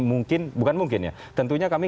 mungkin bukan mungkin ya tentunya kami